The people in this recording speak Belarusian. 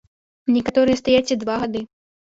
Некаторыя стаяць і два гады.